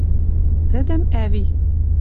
Тӹдӹм ӓви